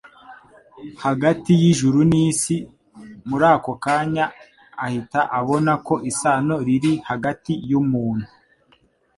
hagati y'ijuru n'isi, muri ako kanya ahita abona ko isano iri hagati y'umuntu